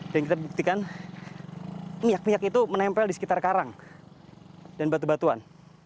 dan kita buktikan minyak minyak itu menempel di sekitar karang dan batu batuan